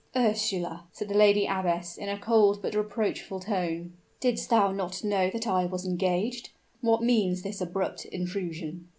"Ursula," said the lady abbess, in a cold but reproachful tone, "didst thou not know that I was engaged? What means this abrupt intrusion?"